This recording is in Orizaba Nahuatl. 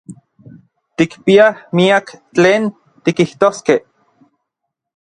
Tikpiaj miak tlen tikijtoskej.